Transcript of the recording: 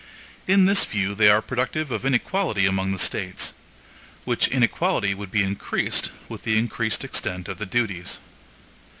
In this view they are productive of inequality among the States; which inequality would be increased with the increased extent of the duties.